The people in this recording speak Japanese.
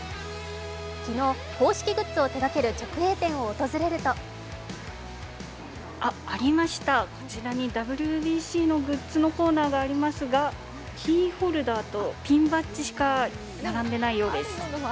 昨日、公式グッズを手がける直営店を訪れるとありました、こちらにＷＢＣのグッズのコーナーがありますが、キーホルダーとピンバッジしか並んでいないようです。